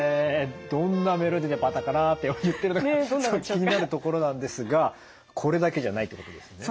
どんなメロディーで「パタカラ」って言ってるのか気になるところなんですがこれだけじゃないってことですよね。